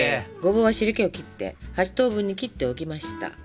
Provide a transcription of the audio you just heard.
ごぼうは汁気を切って８等分に切っておきました。